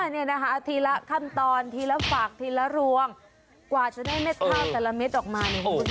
นี่นะคะทีละขั้นตอนทีละฝากทีละรวงกว่าจะได้เม็ดข้าวแต่ละเม็ดออกมาเนี่ย